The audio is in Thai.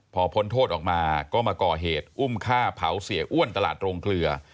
พอพ้นโทษออกมาก็มาก่อเหตุอุ้มฆ่าเผาเสียอ้วนตลาดโรงเกลือ